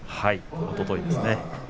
おとといですね。